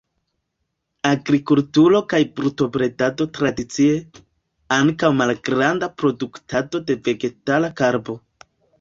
Agrikulturo kaj brutobredado tradicie, ankaŭ malgranda produktado de vegetala karbo.